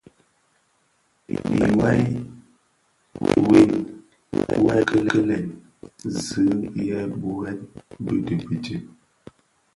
Ighel win, wuê kikilè zi yè burèn di bibid.